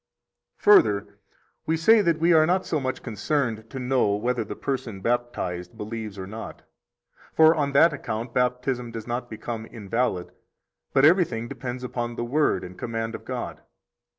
52 Further, we say that we are not so much concerned to know whether the person baptized believes or not; for on that account Baptism does not become invalid; but everything depends upon the Word and command of God.